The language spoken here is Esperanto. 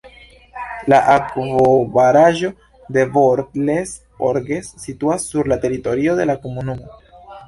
La akvobaraĵo de Bort-les-Orgues situas sur la teritorio de la komunumo.